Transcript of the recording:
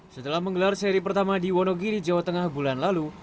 setelah menggelar seri pertama di wonogiri jawa tengah bulan lalu